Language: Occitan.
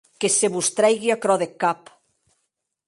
Que se vos trèigue aquerò deth cap.